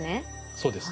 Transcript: そうです。